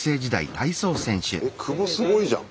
えっクボすごいじゃん。